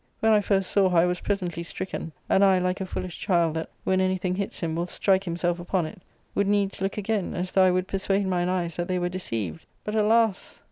" When I first saw her I was presently stricken ; and I, like a foolish child, that, when anything hits him, will strike him self upon it, would needs look again, as though I would per suade mine eyes that they were deceived. But, alas